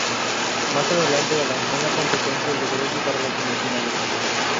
Más adelante avanzó en la competencia y logró llegar a las semifinales.